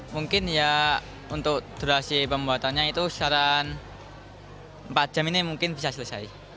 mungkin ya untuk durasi pembuatannya itu secara empat jam ini mungkin bisa selesai